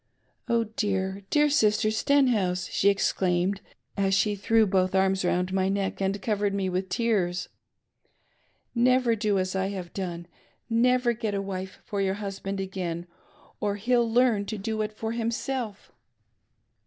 "Oh dear, dear Sister Stenhouse," she exclaimed as she threw both her arms round my neck and covered me with tears, — "never do as I have done — never get a wife for your husband again, or he'll learn to do it for himself.